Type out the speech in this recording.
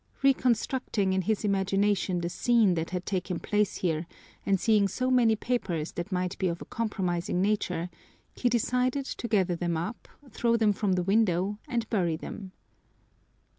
Reconstructing in his imagination the scene that had taken place there and seeing so many papers that might be of a compromising nature, he decided to gather them up, throw them from the window, and bury them.